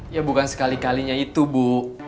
ya bukan sekali kalinya itu bu